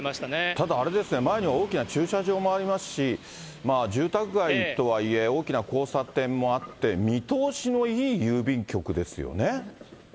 ただあれですね、前に大きな駐車場もありますし、住宅街とはいえ大きな交差点もあって、見通しのいい郵便局ですよね。